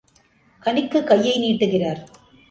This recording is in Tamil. கனிக்கு கையை நீட்டுகிறார்.